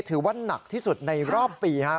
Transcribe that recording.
ถือว่าหนักที่สุดในรอบปี